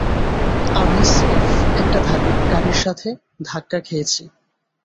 আমি স্রেফ, একটা গাড়ির সাথে ধাক্কা খেয়েছি।